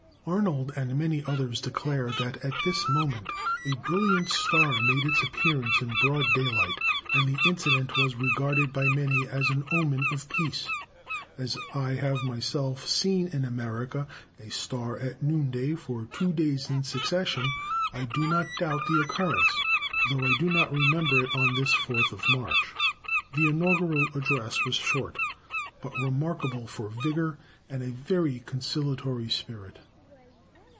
Arnold and many others declare that, at this moment, a brilliant star made its appearance in broad daylight, and the incident was regarded by many as an omen of peace. As I have myself seen in America a star at noon day for two days in succession, I do not doubt the occurrence, though I do not remember it on this 4th of March. The inaugural address was short, but remarkable for vigour and a very conciliatory spirit.